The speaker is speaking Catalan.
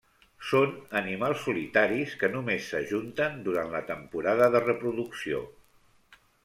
Són animals solitaris que només s'ajunten durant la temporada de reproducció.